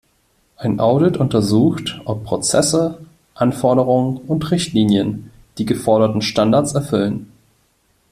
Ein Audit untersucht, ob Prozesse, Anforderungen und Richtlinien die geforderten Standards erfüllen.